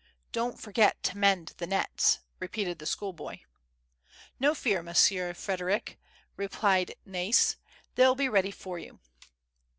" Don't forget to mend the nets," repeated the school boy. " No fear, Monsieur Frdd^iric," replied Na'is. "They'll be ready for you."